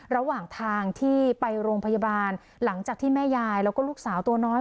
ระหว่างทางที่ไปโรงพยาบาลหลังจากที่แม่ยายแล้วก็ลูกสาวตัวน้อย